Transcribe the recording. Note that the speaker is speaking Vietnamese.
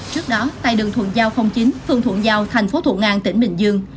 trước đó tại đường thuận giao chín phương thuận giao tp thuận an tỉnh bình dương